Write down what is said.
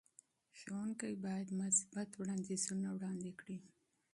ښوونکي باید مثبتې نظریې وړاندې کړي.